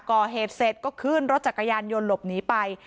ก่อเหตุเสร็จก็ขึ้นรถจักรยานยนต์หลบหนีไป